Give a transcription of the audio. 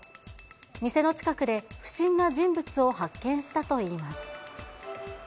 店の近くで不審な人物を発見したといいます。